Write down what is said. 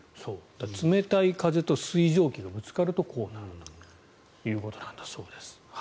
冷たい風と水蒸気がぶつかるとこうなるということなんだそうです。